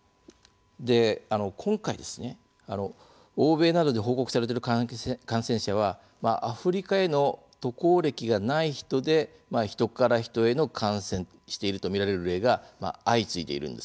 今回、欧米などで報告されている感染者はアフリカへの渡航歴がない人でヒトからヒトへの感染していると見られる例が相次いでいるんですね。